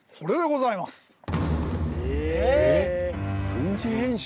軍事演習？